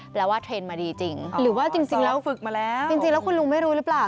แปลว่าเทรนด์มาดีจริงหรือว่าจริงแล้วคุณลุงไม่รู้หรือเปล่า